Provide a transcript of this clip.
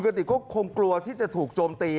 กะติกกลัวดีที่จะถูกโจมตี